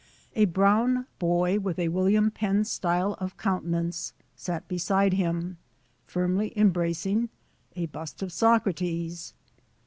A brown boy with a William Penn style of coun tenance sat beside him, firmly embracing a bust of Socrates.